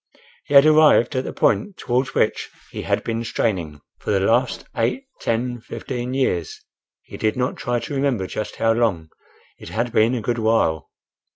He had arrived at the point towards which he had been straining for the last eight—ten—fifteen years—he did not try to remember just how long—it had been a good while.